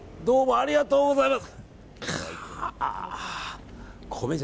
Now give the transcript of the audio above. ありがとうございます。